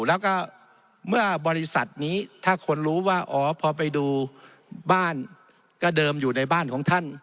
แล้วก็เมื่อบริษัทนี้ถ้าคนรู้ว่าอ๋อพอไปดูบ้านก็เดิมอยู่ในบ้านของท่าน